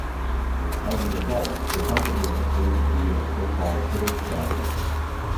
As a result, the company is considered to be a so-called hidden champion.